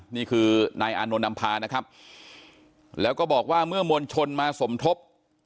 นี่คือนายอานนท์นำพานะครับแล้วก็บอกว่าเมื่อมวลชนมาสมทบ